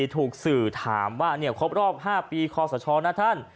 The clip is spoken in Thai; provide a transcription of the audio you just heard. ถูกสื่อถามว่าครบรอบ๕ปีคอสชนะท่าน